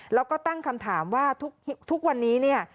แล้วก็ตั้งคำถามว่าทุกวันนี้เนี่ย